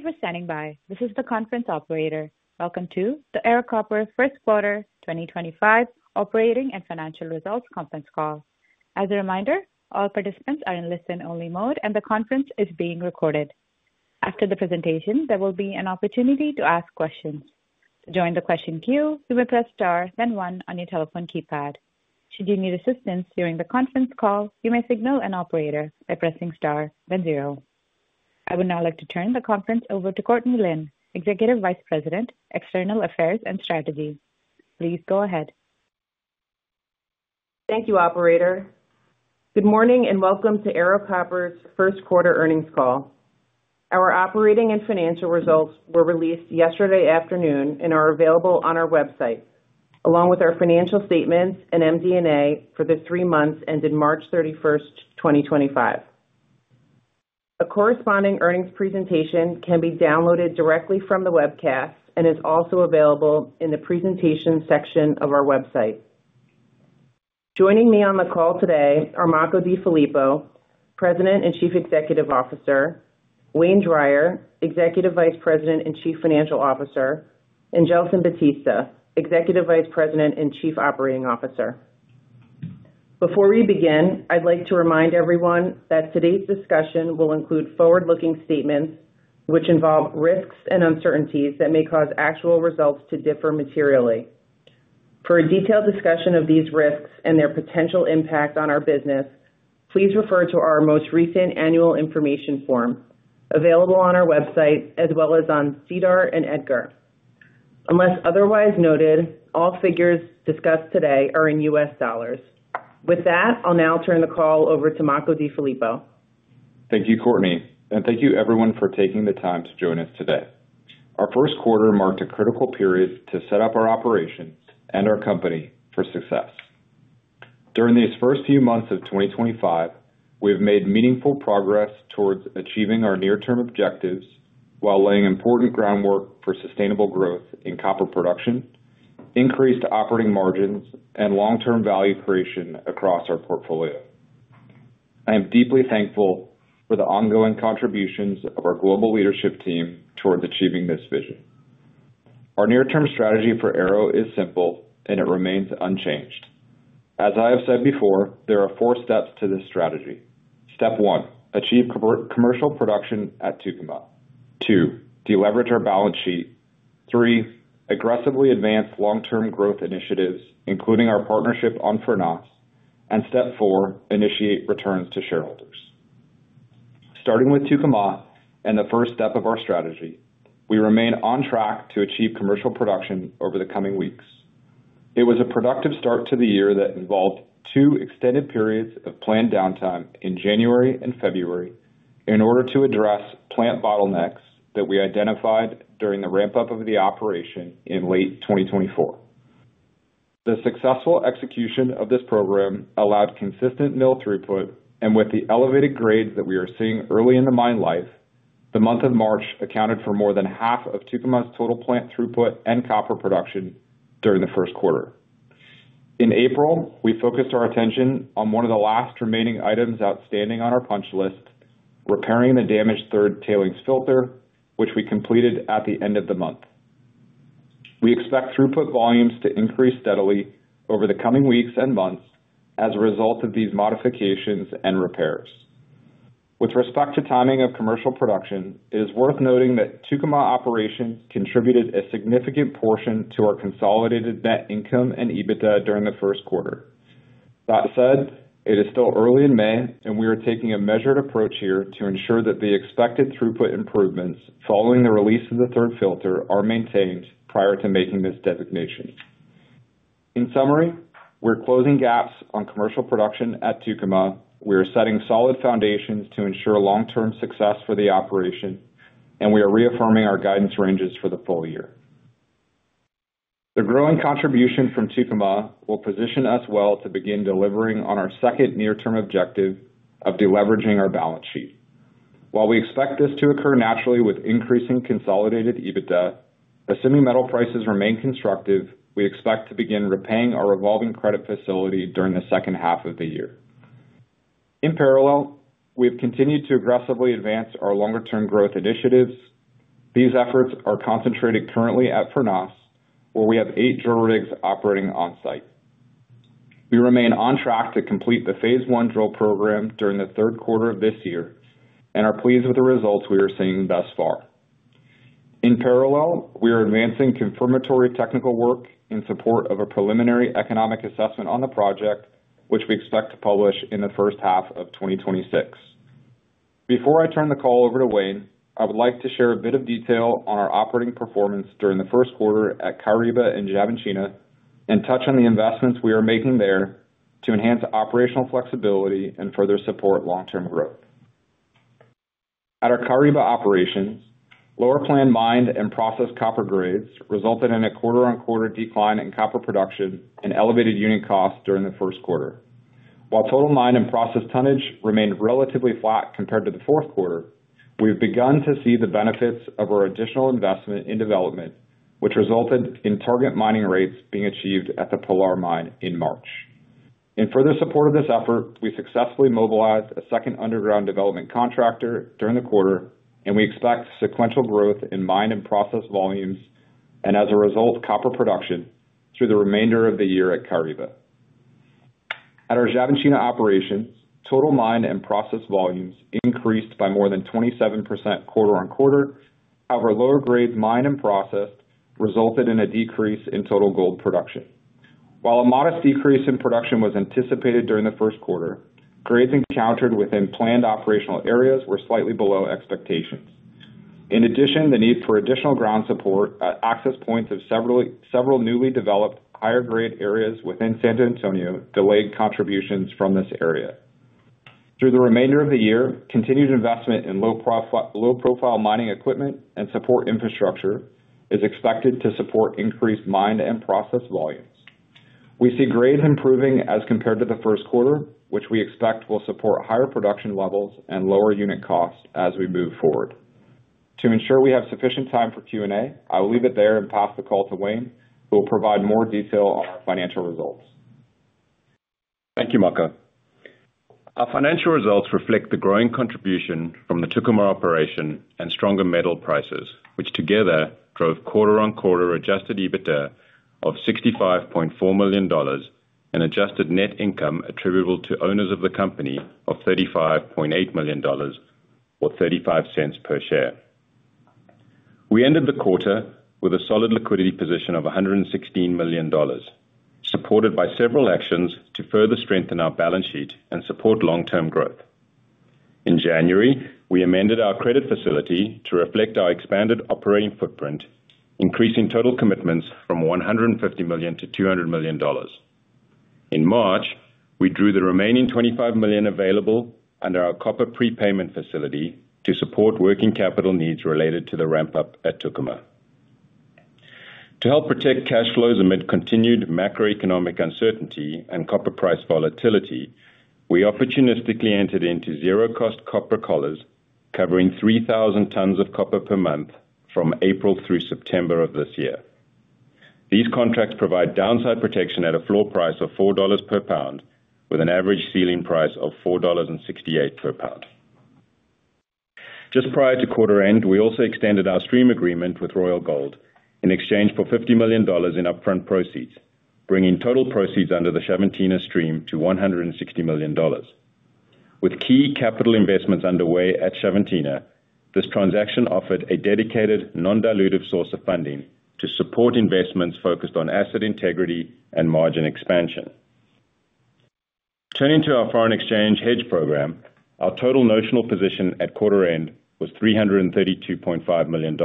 Thank you for standing by. This is the conference operator. Welcome to the Ero Copper First Quarter 2025 Operating and Financial Results Conference Call. As a reminder, all participants are in listen-only mode, and the conference is being recorded. After the presentation, there will be an opportunity to ask questions. To join the question queue, you may press star, then one on your telephone keypad. Should you need assistance during the conference call, you may signal an operator by pressing star, then zero. I would now like to turn the conference over to Courtney Lynn, Executive Vice President, External Affairs and Strategy. Please go ahead. Thank you, Operator. Good morning and welcome to Ero Copper's First Quarter Earnings Call. Our operating and financial results were released yesterday afternoon and are available on our website, along with our financial statements and MD&A for the three months ended March 31, 2025. A corresponding earnings presentation can be downloaded directly from the webcast and is also available in the presentation section of our website. Joining me on the call today are Makko DeFilippo, President and Chief Executive Officer; Wayne Drier, Executive Vice President and Chief Financial Officer; and Gelson Batista, Executive Vice President and Chief Operating Officer. Before we begin, I'd like to remind everyone that today's discussion will include forward-looking statements which involve risks and uncertainties that may cause actual results to differ materially. For a detailed discussion of these risks and their potential impact on our business, please refer to our most recent annual information form available on our website as well as on SEDAR and EDGAR. Unless otherwise noted, all figures discussed today are in USD. With that, I'll now turn the call over to Makko DeFilippo. Thank you, Courtney, and thank you, everyone, for taking the time to join us today. Our first quarter marked a critical period to set up our operations and our company for success. During these first few months of 2025, we have made meaningful progress towards achieving our near-term objectives while laying important groundwork for sustainable growth in copper production, increased operating margins, and long-term value creation across our portfolio. I am deeply thankful for the ongoing contributions of our global leadership team towards achieving this vision. Our near-term strategy for Ero is simple, and it remains unchanged. As I have said before, there are four steps to this strategy. Step one: achieve commercial production at Tucumã. Two: deleverage our balance sheet. Three: aggressively advance long-term growth initiatives, including our partnership on Furnas. Step four: initiate returns to shareholders. Starting with Tucumã and the first step of our strategy, we remain on track to achieve commercial production over the coming weeks. It was a productive start to the year that involved two extended periods of planned downtime in January and February in order to address plant bottlenecks that we identified during the ramp-up of the operation in late 2024. The successful execution of this program allowed consistent mill throughput, and with the elevated grades that we are seeing early in the mine life, the month of March accounted for more than half of Tucumã's total plant throughput and copper production during the first quarter. In April, we focused our attention on one of the last remaining items outstanding on our punch list: repairing the damaged third tailings filter, which we completed at the end of the month. We expect throughput volumes to increase steadily over the coming weeks and months as a result of these modifications and repairs. With respect to timing of commercial production, it is worth noting that Tucumã operation contributed a significant portion to our consolidated net income and EBITDA during the first quarter. That said, it is still early in May, and we are taking a measured approach here to ensure that the expected throughput improvements following the release of the third filter are maintained prior to making this designation. In summary, we're closing gaps on commercial production at Tucumã. We are setting solid foundations to ensure long-term success for the operation, and we are reaffirming our guidance ranges for the full year. The growing contribution from Tucumã will position us well to begin delivering on our second near-term objective of deleveraging our balance sheet. While we expect this to occur naturally with increasing consolidated EBITDA, assuming metal prices remain constructive, we expect to begin repaying our revolving credit facility during the second half of the year. In parallel, we have continued to aggressively advance our longer-term growth initiatives. These efforts are concentrated currently at Furnas, where we have eight drill rigs operating on site. We remain on track to complete the phase one drill program during the third quarter of this year and are pleased with the results we are seeing thus far. In parallel, we are advancing confirmatory technical work in support of a preliminary economic assessment on the project, which we expect to publish in the first half of 2026. Before I turn the call over to Wayne, I would like to share a bit of detail on our operating performance during the first quarter at Caraíba and Xavantina and touch on the investments we are making there to enhance operational flexibility and further support long-term growth. At our Caraíba operations, lower planned mine and process copper grades resulted in a quarter-on-quarter decline in copper production and elevated unit costs during the first quarter. While total mine and process tonnage remained relatively flat compared to the fourth quarter, we've begun to see the benefits of our additional investment in development, which resulted in target mining rates being achieved at the Pilar mine in March. In further support of this effort, we successfully mobilized a second underground development contractor during the quarter, and we expect sequential growth in mine and process volumes and, as a result, copper production through the remainder of the year at Caraíba. At our Xavantina operations, total mine and process volumes increased by more than 27% quarter-on-quarter. However, lower grades mined and processed resulted in a decrease in total gold production. While a modest decrease in production was anticipated during the first quarter, grades encountered within planned operational areas were slightly below expectations. In addition, the need for additional ground support at access points of several newly developed higher-grade areas within San Antonio delayed contributions from this area. Through the remainder of the year, continued investment in low-profile mining equipment and support infrastructure is expected to support increased mine and process volumes. We see grades improving as compared to the first quarter, which we expect will support higher production levels and lower unit costs as we move forward. To ensure we have sufficient time for Q&A, I will leave it there and pass the call to Wayne, who will provide more detail on our financial results. Thank you, Makko. Our financial results reflect the growing contribution from the Tucumã operation and stronger metal prices, which together drove quarter-on-quarter adjusted EBITDA of $65.4 million and adjusted net income attributable to owners of the company of $35.8 million, or $0.35 per share. We ended the quarter with a solid liquidity position of $116 million, supported by several actions to further strengthen our balance sheet and support long-term growth. In January, we amended our credit facility to reflect our expanded operating footprint, increasing total commitments from $150 million to $200 million. In March, we drew the remaining $25 million available under our copper prepayment facility to support working capital needs related to the ramp-up at Tucumã. To help protect cash flows amid continued macroeconomic uncertainty and copper price volatility, we opportunistically entered into zero-cost copper collars covering 3,000 tons of copper per month from April through September of this year. These contracts provide downside protection at a floor price of $4 per pound, with an average ceiling price of $4.68 per pound. Just prior to quarter end, we also extended our stream agreement with Royal Gold in exchange for $50 million in upfront proceeds, bringing total proceeds under the Xavantina stream to $160 million. With key capital investments underway at Xavantina, this transaction offered a dedicated, non-dilutive source of funding to support investments focused on asset integrity and margin expansion. Turning to our foreign exchange hedge program, our total notional position at quarter end was $332.5 million,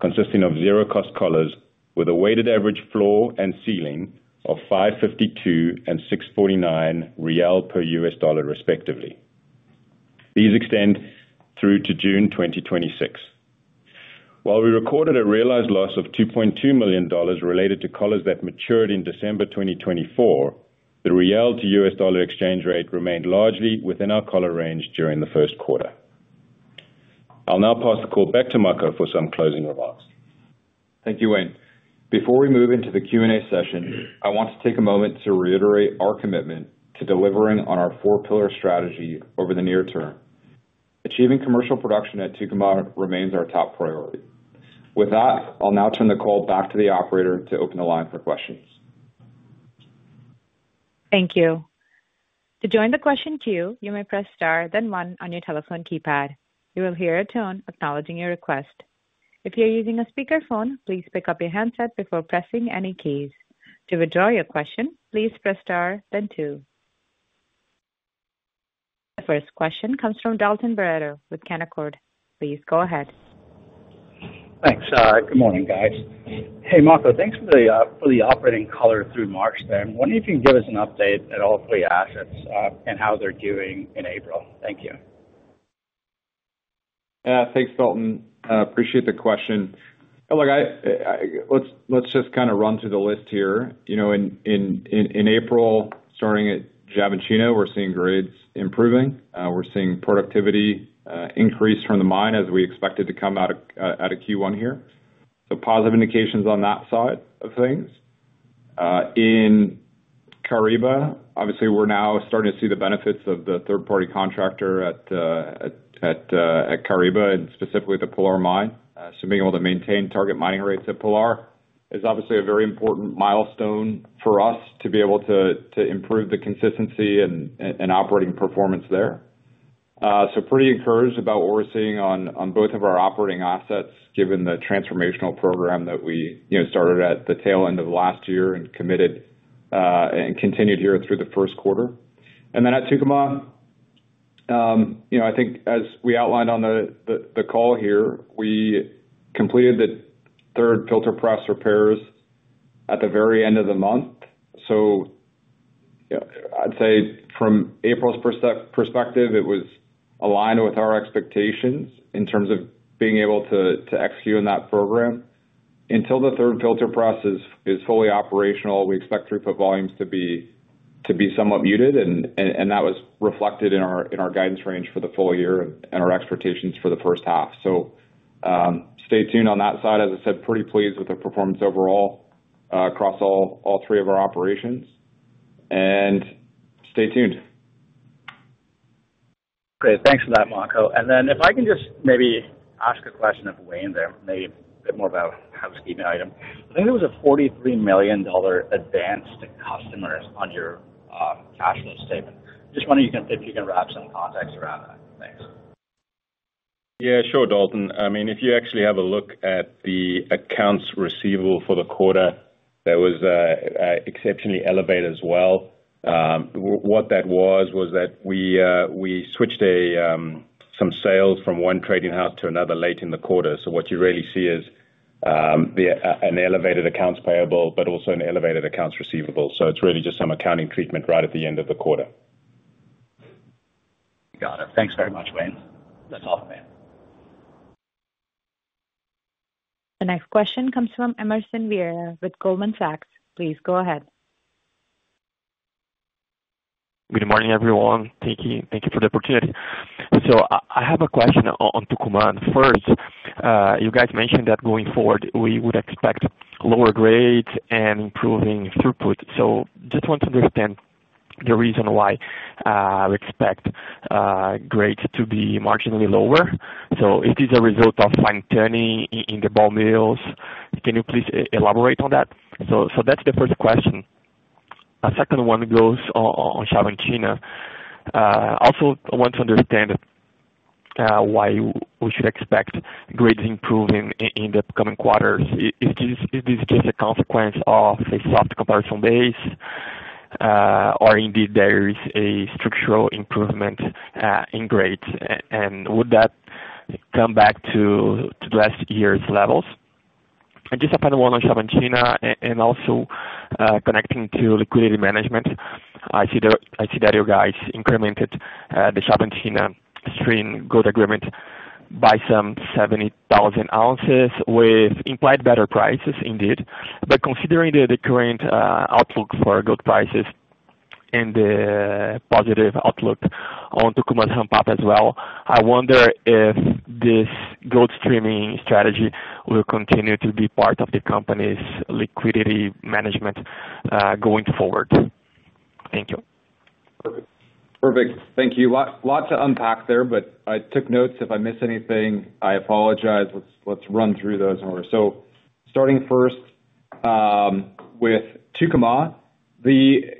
consisting of zero-cost collars with a weighted average floor and ceiling of 5.52 and 6.49 per U.S. dollar, respectively. These extend through to June 2026. While we recorded a realized loss of $2.2 million related to collars that matured in December 2024, the BRL to U.S. dollar exchange rate remained largely within our collar range during the first quarter. I'll now pass the call back to Makko for some closing remarks. Thank you, Wayne. Before we move into the Q&A session, I want to take a moment to reiterate our commitment to delivering on our four-pillar strategy over the near term. Achieving commercial production at Tucumã remains our top priority. With that, I'll now turn the call back to the Operator to open the line for questions. Thank you. To join the question queue, you may press star, then one on your telephone keypad. You will hear a tone acknowledging your request. If you're using a speakerphone, please pick up your handset before pressing any keys. To withdraw your question, please press star, then two. The first question comes from Dalton Baretto with Canaccord. Please go ahead. Thanks. Good morning, guys. Hey, Makko, thanks for the operating collar through March there. I'm wondering if you can give us an update at all three assets and how they're doing in April. Thank you. Yeah, thanks, Dalton. Appreciate the question. Look, let's just kind of run through the list here. In April, starting at Xavantina, we're seeing grades improving. We're seeing productivity increase from the mine as we expect it to come out at a Q1 here. Positive indications on that side of things. In Caraíba, obviously, we're now starting to see the benefits of the third-party contractor at Caraíba, and specifically the Pilar mine. Being able to maintain target mining rates at Pilar is obviously a very important milestone for us to be able to improve the consistency and operating performance there. Pretty encouraged about what we're seeing on both of our operating assets, given the transformational program that we started at the tail end of last year and committed and continued here through the first quarter. At Tucumã, I think, as we outlined on the call here, we completed the third filter press repairs at the very end of the month. I would say from April's perspective, it was aligned with our expectations in terms of being able to execute on that program. Until the third filter press is fully operational, we expect throughput volumes to be somewhat muted, and that was reflected in our guidance range for the full year and our expectations for the first half. Stay tuned on that side. As I said, pretty pleased with the performance overall across all three of our operations. Stay tuned. Great. Thanks for that, Makko. If I can just maybe ask a question of Wayne there, maybe a bit more about how to scheme that item. I think there was a $43 million advance to customers on your cash flow statement. Just wondering if you can wrap some context around that. Thanks. Yeah, sure, Dalton. I mean, if you actually have a look at the accounts receivable for the quarter, that was exceptionally elevated as well. What that was, was that we switched some sales from one trading house to another late in the quarter. What you really see is an elevated accounts payable, but also an elevated accounts receivable. It is really just some accounting treatment right at the end of the quarter. Got it. Thanks very much, Wayne. That's all from me. The next question comes from Emerson Verrier with Goldman Sachs. Please go ahead. Good morning, everyone. Thank you for the opportunity. I have a question on Tucumã. First, you guys mentioned that going forward, we would expect lower grades and improving throughput. I just want to understand the reason why we expect grades to be marginally lower. Is this a result of fine-tuning in the ball mills? Can you please elaborate on that? That is the first question. A second one goes on Xavantina. I also want to understand why we should expect grades improving in the coming quarters. Is this just a consequence of a soft comparison base, or indeed there is a structural improvement in grades? Would that come back to last year's levels? Just a final one on Xavantina, and also connecting to liquidity management, I see that you guys incremented the Xavantina stream gold agreement by some 70,000 ounces with implied better prices, indeed. Considering the current outlook for gold prices and the positive outlook on Tucumã's ramp-up as well, I wonder if this gold streaming strategy will continue to be part of the company's liquidity management going forward. Thank you. Perfect. Perfect. Thank you. Lot to unpack there, but I took notes. If I miss anything, I apologize. Let's run through those in order. Starting first with Tucumã, the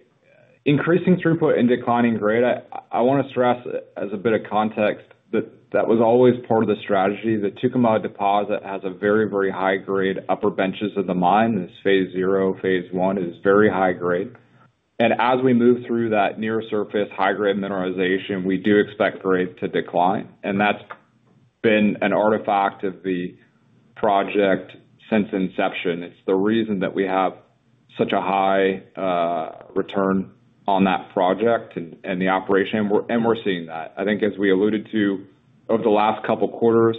increasing throughput and declining grade, I want to stress as a bit of context that that was always part of the strategy. The Tucumã deposit has very, very high-grade upper benches of the mine. It's phase zero, phase I. It is very high-grade. As we move through that near-surface high-grade mineralization, we do expect grades to decline. That has been an artifact of the project since inception. It's the reason that we have such a high return on that project and the operation. We're seeing that. I think, as we alluded to over the last couple of quarters,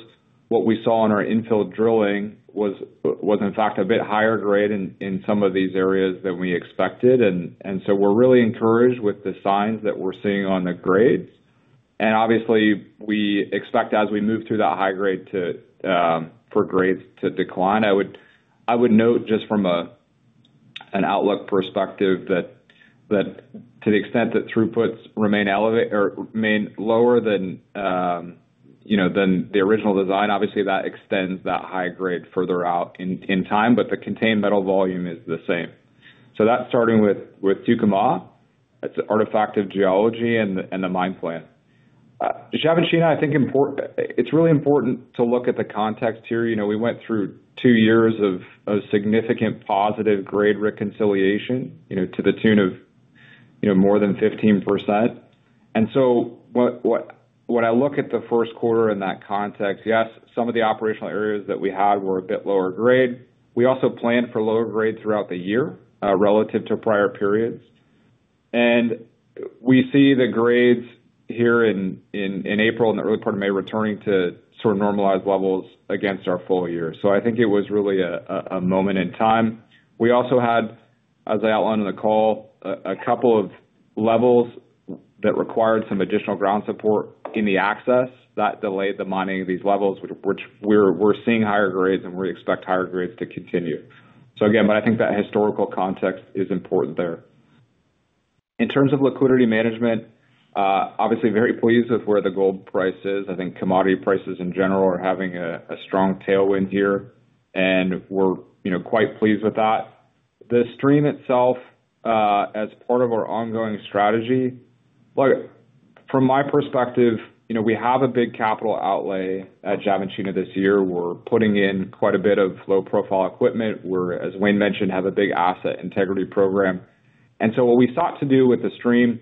what we saw in our infill drilling was, in fact, a bit higher grade in some of these areas than we expected. We are really encouraged with the signs that we are seeing on the grades. Obviously, we expect, as we move through that high grade, for grades to decline. I would note, just from an outlook perspective, that to the extent that throughputs remain lower than the original design, that extends that high grade further out in time, but the contained metal volume is the same. That is starting with Tucumã. That is an artifact of geology and the mine plan. Xavantina, I think, it is really important to look at the context here. We went through two years of significant positive grade reconciliation to the tune of more than 15%. When I look at the first quarter in that context, yes, some of the operational areas that we had were a bit lower grade. We also planned for lower grade throughout the year relative to prior periods. We see the grades here in April and the early part of May returning to sort of normalized levels against our full year. I think it was really a moment in time. We also had, as I outlined in the call, a couple of levels that required some additional ground support in the access that delayed the mining of these levels, which are seeing higher grades, and we expect higher grades to continue. I think that historical context is important there. In terms of liquidity management, obviously, very pleased with where the gold price is. I think commodity prices in general are having a strong tailwind here, and we're quite pleased with that. The stream itself, as part of our ongoing strategy, look, from my perspective, we have a big capital outlay at Xavantina this year. We're putting in quite a bit of low-profile equipment. We, as Wayne mentioned, have a big asset integrity program. What we sought to do with the stream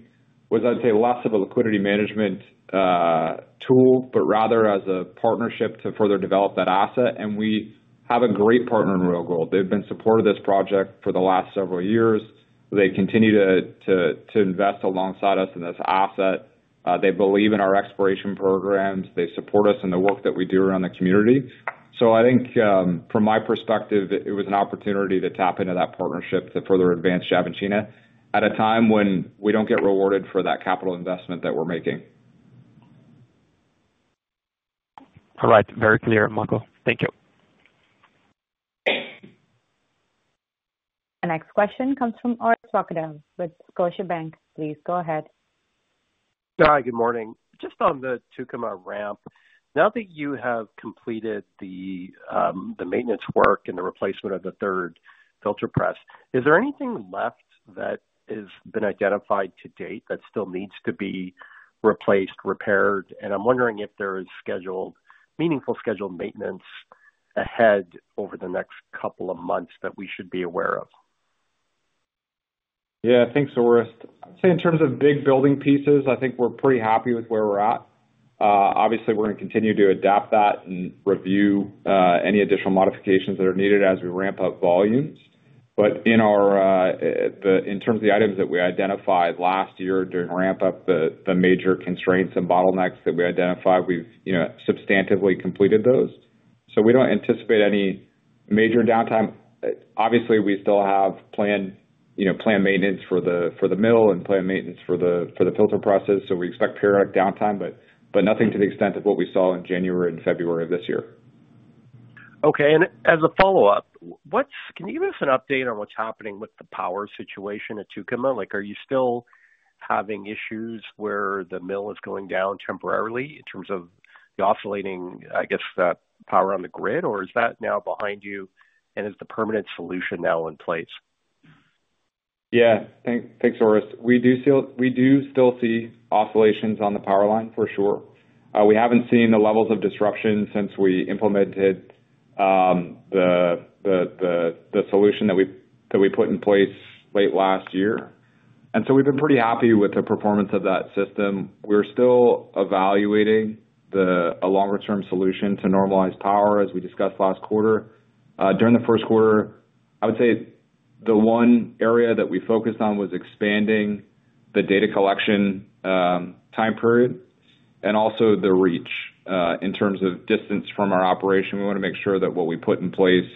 was, I'd say, less of a liquidity management tool, but rather as a partnership to further develop that asset. We have a great partner in Royal Gold. They've been supportive of this project for the last several years. They continue to invest alongside us in this asset. They believe in our exploration programs. They support us in the work that we do around the community. I think, from my perspective, it was an opportunity to tap into that partnership to further advance Xavantina at a time when we don't get rewarded for that capital investment that we're making. All right. Very clear, Makko. Thank you. The next question comes from Orest Wowkodaw with Scotiabank. Please go ahead. Hi, good morning. Just on the Tucumã ramp, now that you have completed the maintenance work and the replacement of the third filter press, is there anything left that has been identified to date that still needs to be replaced, repaired? I am wondering if there is meaningful scheduled maintenance ahead over the next couple of months that we should be aware of. Yeah, thanks, Orest. I'd say in terms of big building pieces, I think we're pretty happy with where we're at. Obviously, we're going to continue to adapt that and review any additional modifications that are needed as we ramp up volumes. In terms of the items that we identified last year during ramp-up, the major constraints and bottlenecks that we identified, we've substantively completed those. We don't anticipate any major downtime. Obviously, we still have planned maintenance for the mill and planned maintenance for the filter presses. We expect periodic downtime, but nothing to the extent of what we saw in January and February of this year. Okay. As a follow-up, can you give us an update on what's happening with the power situation at Tucumã? Are you still having issues where the mill is going down temporarily in terms of the oscillating, I guess, power on the grid, or is that now behind you and is the permanent solution now in place? Yeah. Thanks, Orest. We do still see oscillations on the power line, for sure. We haven't seen the levels of disruption since we implemented the solution that we put in place late last year. We've been pretty happy with the performance of that system. We're still evaluating a longer-term solution to normalize power, as we discussed last quarter. During the first quarter, I would say the one area that we focused on was expanding the data collection time period and also the reach in terms of distance from our operation. We want to make sure that what we put in place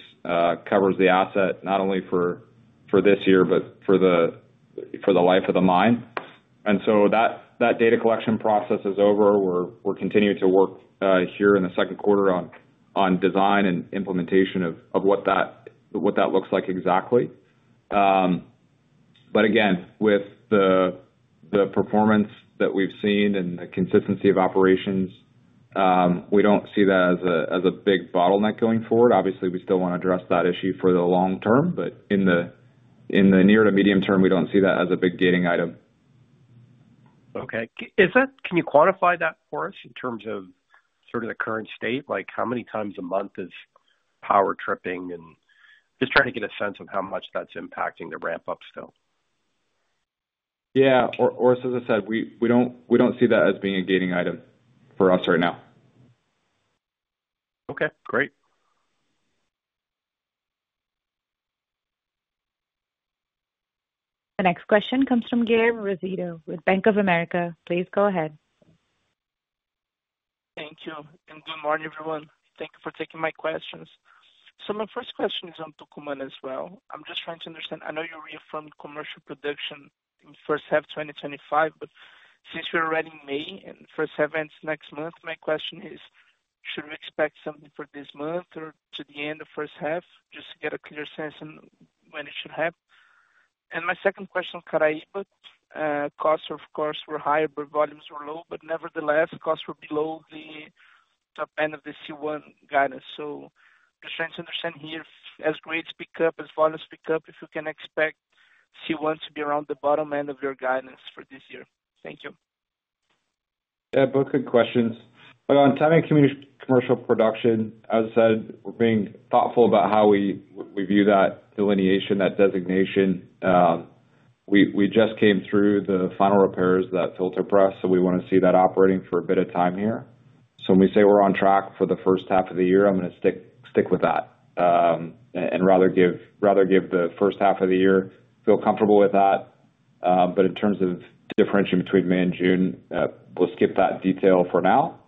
covers the asset not only for this year, but for the life of the mine. That data collection process is over. We're continuing to work here in the second quarter on design and implementation of what that looks like exactly. Again, with the performance that we've seen and the consistency of operations, we don't see that as a big bottleneck going forward. Obviously, we still want to address that issue for the long term, but in the near to medium term, we don't see that as a big gating item. Okay. Can you quantify that for us in terms of sort of the current state? How many times a month is power tripping? Just trying to get a sense of how much that's impacting the ramp-up still. Yeah. As I said, we don't see that as being a gating item for us right now. Okay. Great. The next question comes from Guilherme Rosito with Bank of America. Please go ahead. Thank you. Good morning, everyone. Thank you for taking my questions. My first question is on Tucumã as well. I am just trying to understand. I know you reaffirmed commercial production in the first half of 2025, but since we are already in May and the first half ends next month, my question is, should we expect something for this month or to the end of the first half just to get a clear sense on when it should happen? My second question, Caraíba, costs, of course, were higher, but volumes were low. Nevertheless, costs were below the top end of the C1 guidance. I am just trying to understand here, as grades pick up, as volumes pick up, if you can expect C1 to be around the bottom end of your guidance for this year. Thank you. Yeah, both good questions. On timing of commercial production, as I said, we're being thoughtful about how we view that delineation, that designation. We just came through the final repairs of that filter press, so we want to see that operating for a bit of time here. When we say we're on track for the first half of the year, I'm going to stick with that and rather give the first half of the year. Feel comfortable with that. In terms of differentiating between May and June, we'll skip that detail for now.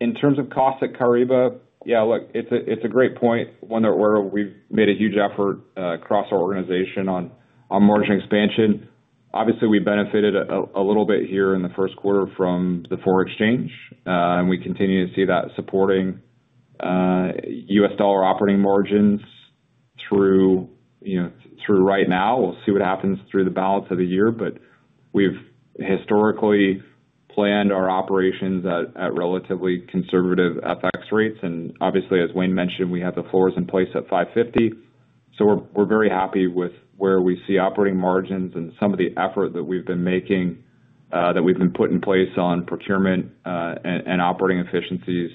In terms of costs at Caraíba, yeah, look, it's a great point. We've made a huge effort across our organization on margin expansion. Obviously, we benefited a little bit here in the first quarter from the foreign exchange. We continue to see that supporting U.S. dollar operating margins through right now. We'll see what happens through the balance of the year. We've historically planned our operations at relatively conservative FX rates. Obviously, as Wayne mentioned, we have the floors in place at 5.50. We're very happy with where we see operating margins and some of the effort that we've been making, that we've been putting in place on procurement and operating efficiencies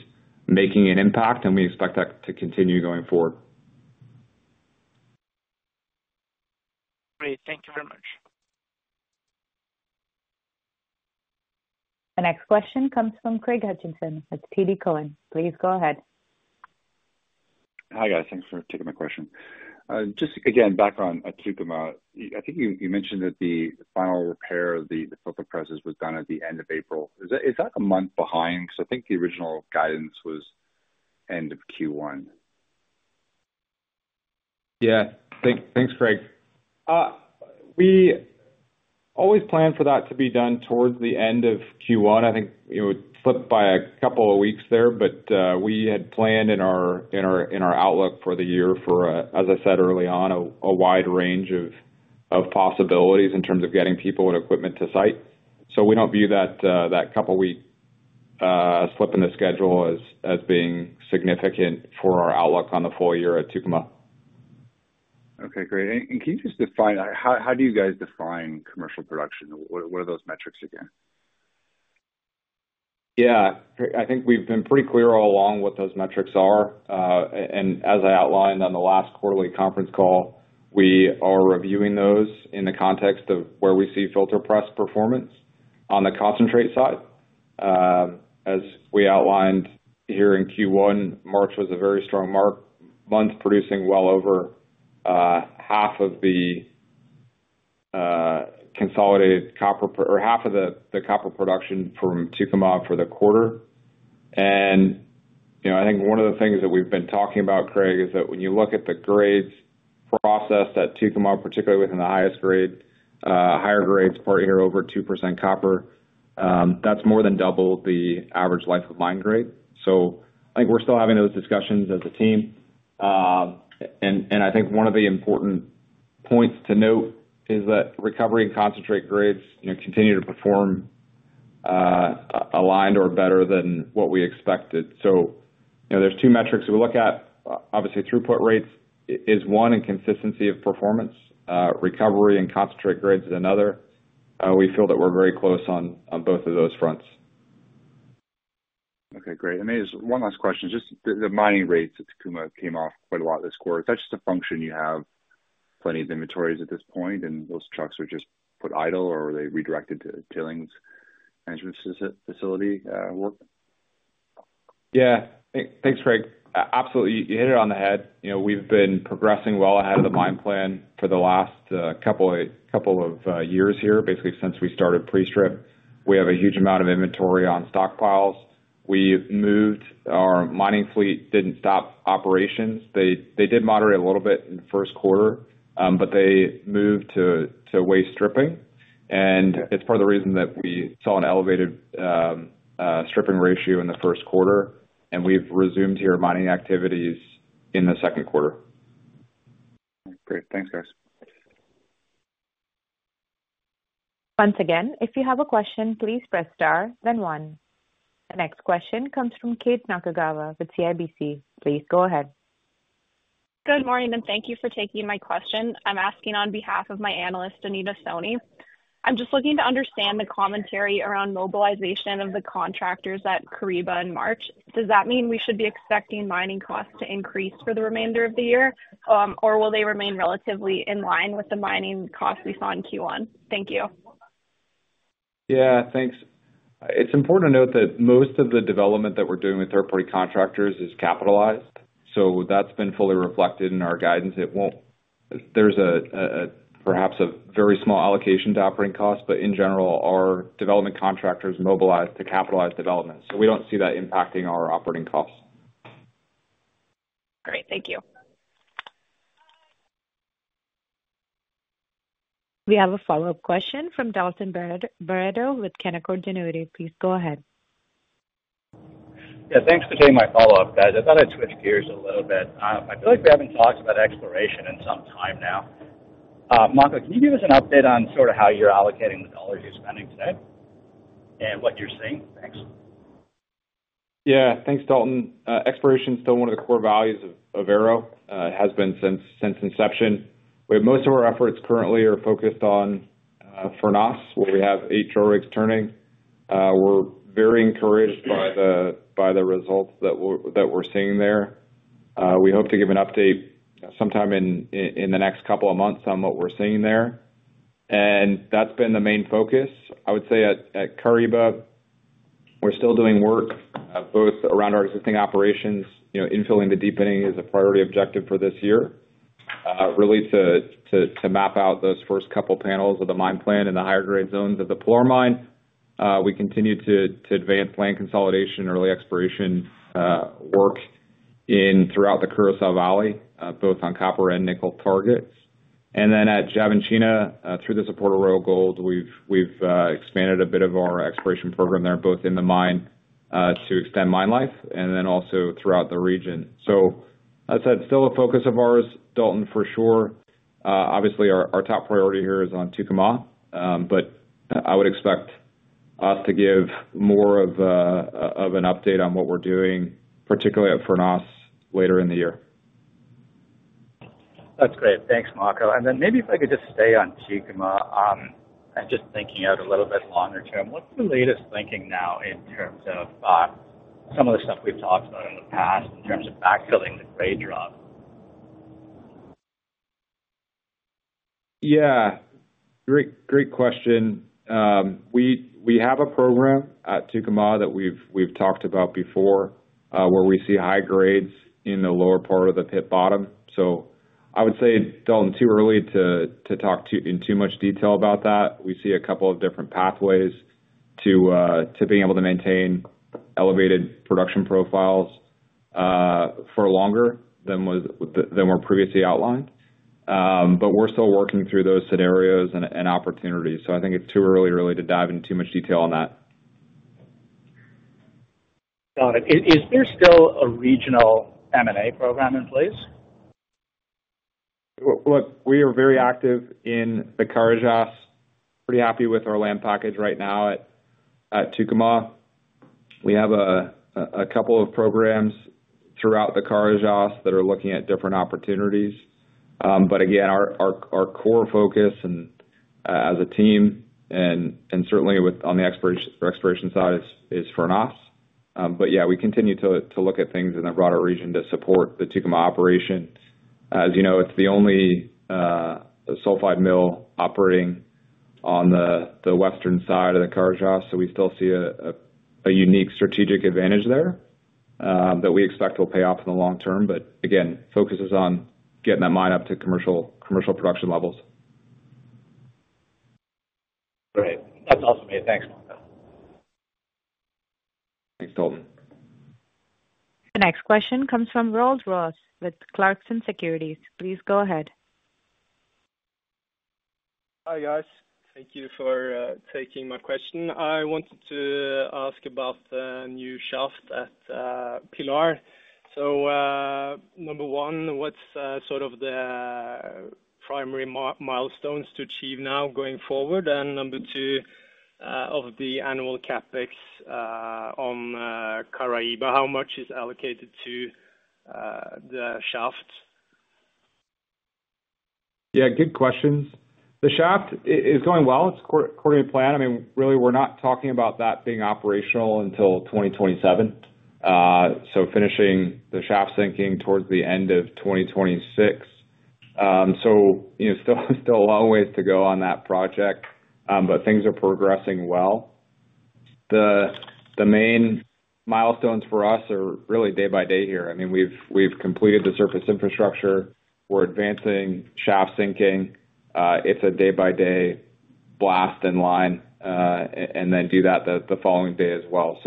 making an impact. We expect that to continue going forward. Great. Thank you very much. The next question comes from Craig Hutchison with TD Cowen. Please go ahead. Hi, guys. Thanks for taking my question. Just again, back on Tucumã, I think you mentioned that the final repair of the filter presses was done at the end of April. Is that a month behind? Because I think the original guidance was end of Q1. Yeah. Thanks, Craig. We always plan for that to be done towards the end of Q1. I think it would slip by a couple of weeks there. We had planned in our outlook for the year for, as I said early on, a wide range of possibilities in terms of getting people and equipment to site. We do not view that couple-week slip in the schedule as being significant for our outlook on the full year at Tucumã. Okay. Great. Can you just define how do you guys define commercial production? What are those metrics again? Yeah. I think we've been pretty clear all along what those metrics are. As I outlined on the last quarterly conference call, we are reviewing those in the context of where we see filter press performance on the concentrate side. As we outlined here in Q1, March was a very strong month, producing well over half of the consolidated copper or half of the copper production from Tucumã for the quarter. I think one of the things that we've been talking about, Craig, is that when you look at the grades process at Tucumã, particularly within the highest grade, higher grades per year over 2% copper, that's more than double the average life of mine grade. I think we're still having those discussions as a team. I think one of the important points to note is that recovery and concentrate grades continue to perform aligned or better than what we expected. There are two metrics we look at. Obviously, throughput rates is one and consistency of performance. Recovery and concentrate grades is another. We feel that we're very close on both of those fronts. Okay. Great. And one last question. Just the mining rates at Tucumã came off quite a lot this quarter. Is that just a function you have plenty of inventories at this point, and those trucks are just put idle, or are they redirected to tailings management facility work? Yeah. Thanks, Craig. Absolutely. You hit it on the head. We've been progressing well ahead of the mine plan for the last couple of years here, basically since we started pre-strip. We have a huge amount of inventory on stockpiles. We moved our mining fleet, did not stop operations. They did moderate a little bit in the first quarter, but they moved to waste stripping. It is part of the reason that we saw an elevated stripping ratio in the first quarter. We have resumed here mining activities in the second quarter. Great. Thanks, guys. Once again, if you have a question, please press star, then one. The next question comes from Kate Nakagawa with CIBC. Please go ahead. Good morning, and thank you for taking my question. I'm asking on behalf of my analyst, Anita Soni. I'm just looking to understand the commentary around mobilization of the contractors at Caraíba in March. Does that mean we should be expecting mining costs to increase for the remainder of the year, or will they remain relatively in line with the mining costs we saw in Q1? Thank you. Yeah. Thanks. It's important to note that most of the development that we're doing with third-party contractors is capitalized. So that's been fully reflected in our guidance. There's perhaps a very small allocation to operating costs, but in general, our development contractors mobilize to capitalize development. So we don't see that impacting our operating costs. Great. Thank you. We have a follow-up question from Dalton Baretto with Canaccord. Please go ahead. Yeah. Thanks for taking my follow-up, guys. I thought I'd switch gears a little bit. I feel like we haven't talked about exploration in some time now. Makko, can you give us an update on sort of how you're allocating the dollars you're spending today and what you're seeing? Thanks. Yeah. Thanks, Dalton. Exploration is still one of the core values of Ero; it has been since inception. Most of our efforts currently are focused on Furnas, where we have eight drill rigs turning. We're very encouraged by the results that we're seeing there. We hope to give an update sometime in the next couple of months on what we're seeing there. That's been the main focus. I would say at Caraíba, we're still doing work both around our existing operations. Infilling the deepening is a priority objective for this year, really to map out those first couple panels of the mine plan and the higher-grade zones of the Pilar mine. We continue to advance land consolidation and early exploration work throughout the Curaçá Valley, both on copper and nickel targets. At Xavantina, through the support of Royal Gold, we've expanded a bit of our exploration program there, both in the mine to extend mine life and also throughout the region. I said, still a focus of ours, Dalton, for sure. Obviously, our top priority here is on Tucumã, but I would expect us to give more of an update on what we're doing, particularly at Furnas, later in the year. That's great. Thanks, Makko. Maybe if I could just stay on Tucumã and just thinking out a little bit longer term, what's the latest thinking now in terms of some of the stuff we've talked about in the past in terms of backfilling the grade drop? Yeah. Great question. We have a program at Tucumã that we've talked about before where we see high grades in the lower part of the pit bottom. I would say, Dalton, too early to talk in too much detail about that. We see a couple of different pathways to being able to maintain elevated production profiles for longer than were previously outlined. We are still working through those scenarios and opportunities. I think it's too early, really, to dive into too much detail on that. Got it. Is there still a regional M&A program in place? Look, we are very active in the Carajás. Pretty happy with our land package right now at Tucumã. We have a couple of programs throughout the Carajás that are looking at different opportunities. Again, our core focus as a team and certainly on the exploration side is Furnas. Yeah, we continue to look at things in the broader region to support the Tucumã operation. As you know, it is the only sulfide mill operating on the western side of the Carajás. We still see a unique strategic advantage there that we expect will pay off in the long term. Again, focus is on getting that mine up to commercial production levels. Great. That's awesome. Thanks, Makko. Thanks, Dalton. The next question comes from Roald Ross with Clarkson Securities. Please go ahead. Hi, guys. Thank you for taking my question. I wanted to ask about the new shaft at Pilar. Number one, what's sort of the primary milestones to achieve now going forward? Number two, of the annual CapEx on Caraíba, how much is allocated to the shaft? Yeah. Good questions. The shaft is going well. It's according to plan. I mean, really, we're not talking about that being operational until 2027. Finishing the shaft sinking towards the end of 2026. Still a long ways to go on that project, but things are progressing well. The main milestones for us are really day-by-day here. I mean, we've completed the surface infrastructure. We're advancing shaft sinking. It's a day-by-day blast and line and then do that the following day as well.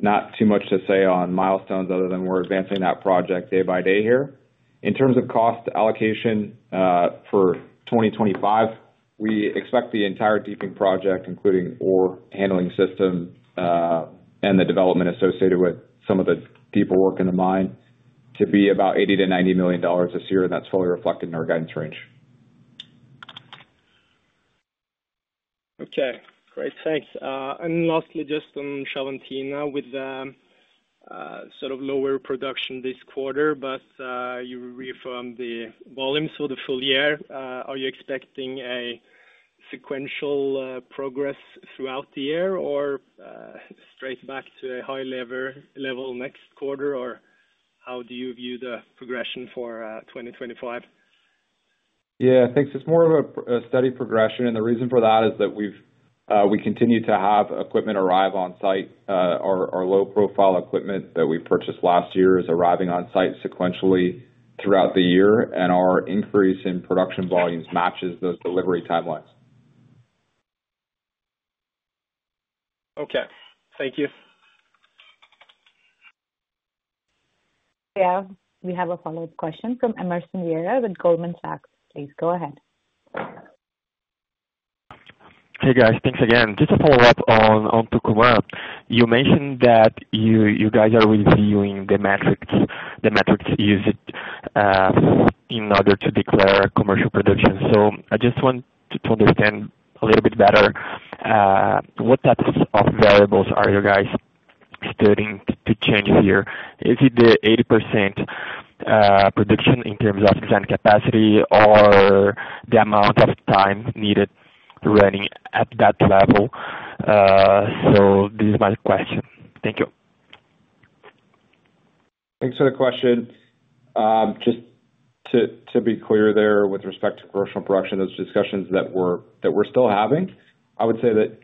Not too much to say on milestones other than we're advancing that project day-by-day here. In terms of cost allocation for 2025, we expect the entire deeping project, including ore handling system and the development associated with some of the deeper work in the mine, to be about $80 million-$90 million this year. That's fully reflected in our guidance range. Okay. Great. Thanks. Lastly, just on Xavantina with sort of lower production this quarter, but you reaffirmed the volumes for the full year. Are you expecting a sequential progress throughout the year or straight back to a high level next quarter, or how do you view the progression for 2025? Yeah. Thanks. It's more of a steady progression. The reason for that is that we continue to have equipment arrive on site. Our low-profile equipment that we purchased last year is arriving on site sequentially throughout the year. Our increase in production volumes matches those delivery timelines. Okay. Thank you. Yeah. We have a follow-up question from Emerson Verrier with Goldman Sachs. Please go ahead. Hey, guys. Thanks again. Just to follow up on Tucumã, you mentioned that you guys are reviewing the metrics used in order to declare commercial production. I just want to understand a little bit better what types of variables are you guys studying to change here. Is it the 80% production in terms of design capacity or the amount of time needed running at that level? This is my question. Thank you. Thanks for the question. Just to be clear there with respect to commercial production, those discussions that we're still having, I would say that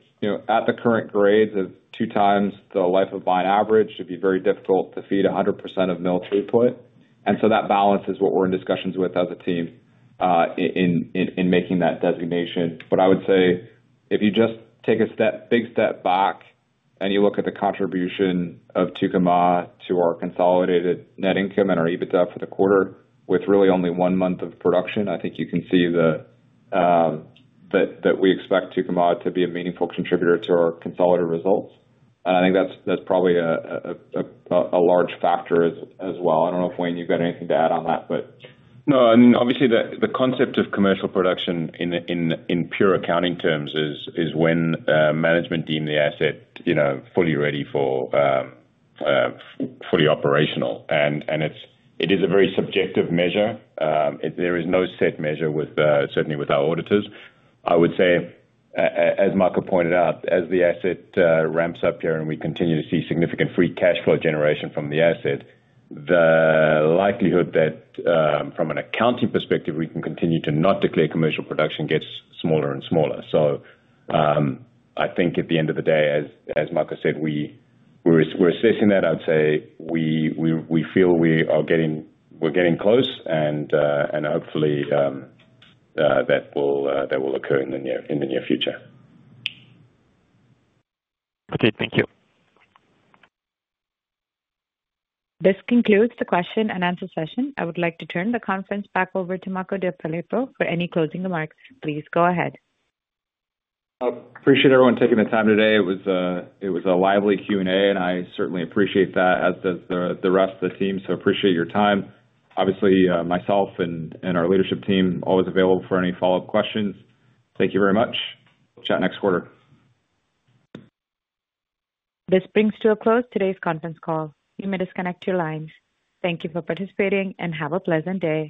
at the current grades of two times the life of mine average, it'd be very difficult to feed 100% of mill throughput. That balance is what we're in discussions with as a team in making that designation. I would say if you just take a big step back and you look at the contribution of Tucumã to our consolidated net income and our EBITDA for the quarter with really only one month of production, I think you can see that we expect Tucumã to be a meaningful contributor to our consolidated results. I think that's probably a large factor as well. I don't know if Wayne, you've got anything to add on that, but. No. I mean, obviously, the concept of commercial production in pure accounting terms is when management deem the asset fully ready for fully operational. It is a very subjective measure. There is no set measure, certainly with our auditors. I would say, as Makko pointed out, as the asset ramps up here and we continue to see significant free cash flow generation from the asset, the likelihood that from an accounting perspective, we can continue to not declare commercial production gets smaller and smaller. I think at the end of the day, as Makko said, we're assessing that. I would say we feel we are getting close, and hopefully, that will occur in the near future. Okay. Thank you. This concludes the question and answer session. I would like to turn the conference back over to Makko DeFilippo for any closing remarks. Please go ahead. Appreciate everyone taking the time today. It was a lively Q&A, and I certainly appreciate that, as does the rest of the team. Appreciate your time. Obviously, myself and our leadership team are always available for any follow-up questions. Thank you very much. Chat next quarter. This brings to a close today's conference call. You may disconnect your lines. Thank you for participating and have a pleasant day.